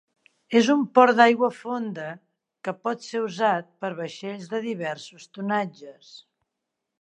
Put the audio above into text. És un port d'aigua fonda que pot ser usat per vaixells de diversos tonatges.